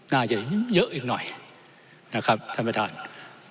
น่าจะเยอะอีกหน่อยนะครับท่านประธาน